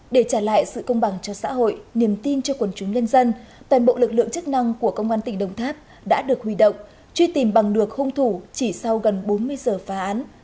để trả lại sự công bằng cho xã hội niềm tin cho quần chúng nhân dân toàn bộ lực lượng chức năng của công an tỉnh đồng tháp đã được huy động truy tìm bằng được hung thủ chỉ sau gần bốn mươi giờ phá án